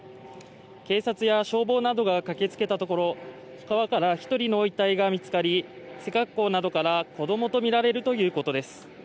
警察や消防などが駆けつけたところ、川から１人の遺体が見つかり、背格好などから子供とみられるということです。